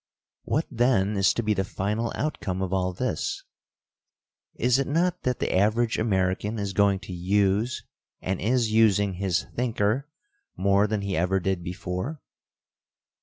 What then is to be the final outcome of all this? Is it not that the average American is going to use, and is using, his thinker more than he ever did before?